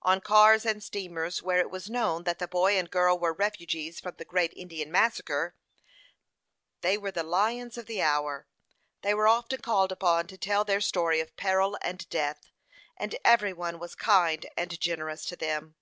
On cars and steamers where it was known that the boy and girl were refugees from the great Indian massacre, they were the lions of the hour. They were often called upon to tell their story of peril and death, and every one was kind and generous to them.